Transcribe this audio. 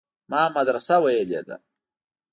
ما مدرسه ويلې ده.